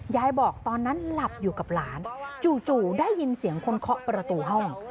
ยายบอกตอนนั้นหลับอยู่กับหลานจู่ได้ยินเสียงคนเคาะประตูห้อง